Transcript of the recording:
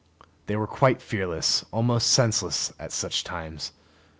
They were quite fearless, almost senseless, at such times.